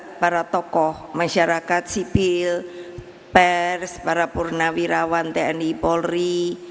kepada para tokoh masyarakat sipil pers para purnawirawan tni polri